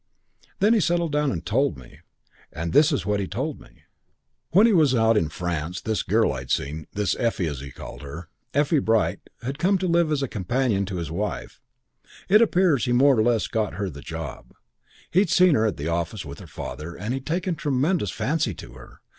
"Then he settled down and told me. And this is what he told me." II "When he was out in France this girl I'd seen this Effie, as he called her, Effie Bright had come to live as companion to his wife. It appears he more or less got her the job. He'd seen her at the office with her father and he'd taken a tremendous fancy to her.